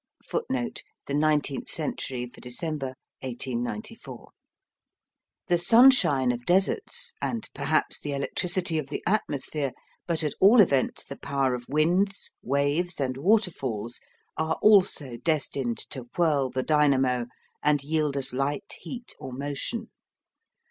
[Footnote: The Nineteenth Century for December 1894.] The sunshine of deserts, and perhaps the electricity of the atmosphere, but at all events the power of winds, waves, and waterfalls are also destined to whirl the dynamo, and yield us light, heat, or motion.